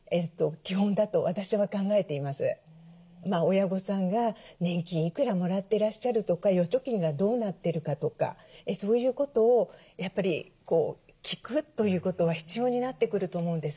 親御さんが年金いくらもらってらっしゃるとか預貯金がどうなってるかとかそういうことをやっぱり聞くということは必要になってくると思うんです。